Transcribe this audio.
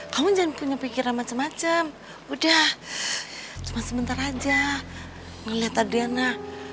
kamu jangan punya pikiran macem macem udah cuma sebentar aja ngeliat adriana